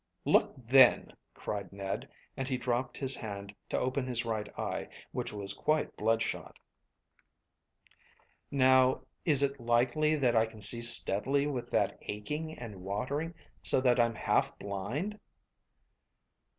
"Look, then," cried Ned, and he dropped his hand, to open his right eye, which was quite bloodshot, "Now, is it likely that I can see steadily with that aching and watering so that I'm half blind?"